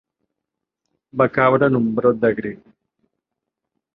Va caure en un brot de grip.